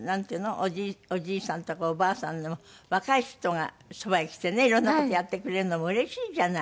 おじいさんとかおばあさんでも若い人がそばへ来てね色んな事やってくれるのもうれしいじゃない。